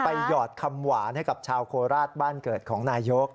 หยอดคำหวานให้กับชาวโคราชบ้านเกิดของนายก